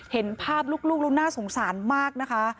เห็นภาพลูกแล้วน่าสงสารมากนะคะ